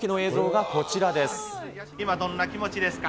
今どんな気持ちですか？